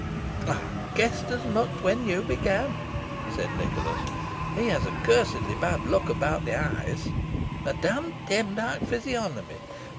"I guessed as much when you began," cried Nicholas. "He has a cursedly bad look about the eyes a damned Demdike physiognomy.